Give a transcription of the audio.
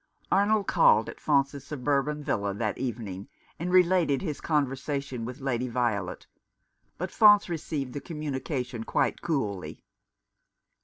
Arnold called at Faunce's suburban villa that evening, and related his conversation with Lady Violet, but Faunce received the communication quite coolly.